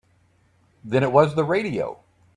Then it was the radio.